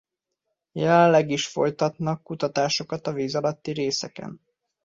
Jelenleg is folytatnak kutatásokat a víz alatti részeken.